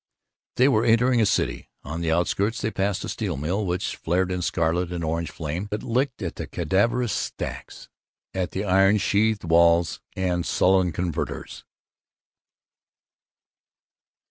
They were entering a city. On the outskirts they passed a steel mill which flared in scarlet and orange flame that licked at the cadaverous stacks, at the iron sheathed walls and sullen converters.